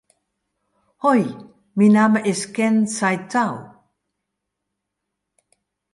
Hoi, myn namme is Ken Saitou.